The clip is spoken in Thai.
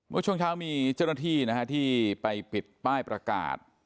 เมื่อช่วงเช้ามีเจ้าหน้าที่ที่ไปปิดป้ายประกาศ